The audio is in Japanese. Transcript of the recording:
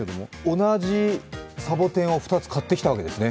同じサボテンを２つ買ってきたわけですね。